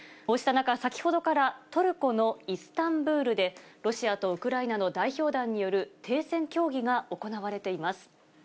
こうした中、先ほどからトルコのイスタンブールで、ロシアとウクライナの代表団による停戦協議が行われています。